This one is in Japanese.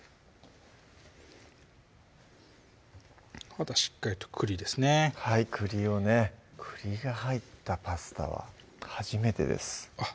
あとはしっかりと栗ですねはい栗をね栗が入ったパスタは初めてですあっ